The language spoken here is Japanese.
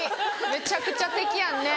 めちゃくちゃ敵やんね。